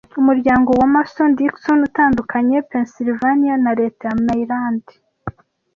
Umurongo wa Mason-Dixon utandukanya Pennsylvania na leta ya Maryland